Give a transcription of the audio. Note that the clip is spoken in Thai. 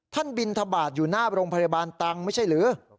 บินทบาทอยู่หน้าโรงพยาบาลตังไม่ใช่หรือ